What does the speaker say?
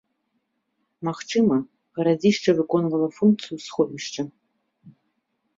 Магчыма, гарадзішча выконвала функцыю сховішча.